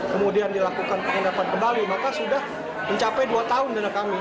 kemudian dilakukan pengendapan kembali maka sudah mencapai dua tahun dana kami